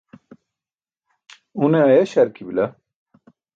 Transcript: Une ayaś harki bila.